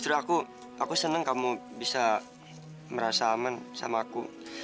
justru aku aku senang kamu bisa merasa aman sama aku